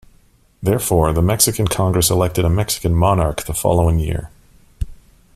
Therefore, the Mexican Congress elected a Mexican monarch the following year.